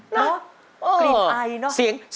เนอะกรี๊ดไอเนอะ